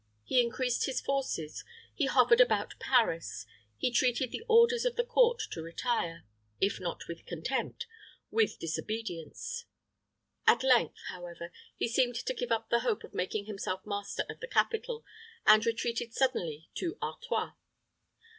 He increased his forces; he hovered about Paris; he treated the orders of the court to retire, if not with contempt, with disobedience. At length, however, he seemed to give up the hope of making himself master of the capital, and retreated suddenly into Artois.